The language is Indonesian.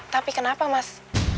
tapi kenapa mas